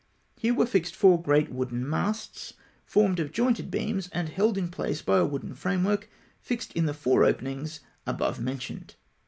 Here were fixed four great wooden masts, formed of joined beams and held in place by a wooden framework fixed in the four openings above mentioned.